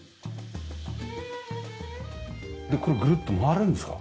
これぐるっと回れるんですか？